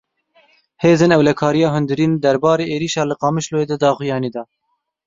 Hêzên Ewlekariya Hundirîn derberî êrişa li Qamişloyê de daxuyanî da.